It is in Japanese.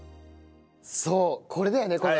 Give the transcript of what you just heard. そうこれだよねこれ。